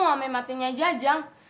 sama matinya jajang